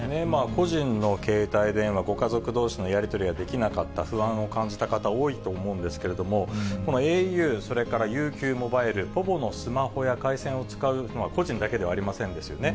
個人の携帯電話、ご家族どうしのやり取りができなかった、不安を感じた方、多いと思うんですけれども、このａｕ、それからＵＱモバイル、ポヴォのスマホや回線を使うのは、個人だけではありませんですよね。